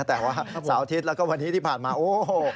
แต่ว่าเสาร์อาทิตย์แล้วก็วันนี้ที่ผ่านมาโอ้โห